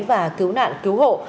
và cứu nạn cứu hộ